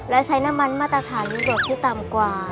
และใช้น้ำมันมาตรฐานเด็กที่ต่ำกว่า